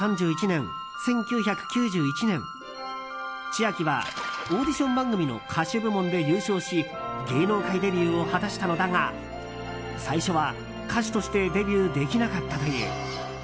千秋はオーディション番組の歌手部門で優勝し芸能界デビューを果たしたのだが最初は歌手としてデビューできなかったという。